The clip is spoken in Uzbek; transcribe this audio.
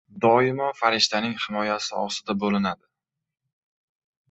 doimo farishtaning himoyasi ostida bo‘linadi.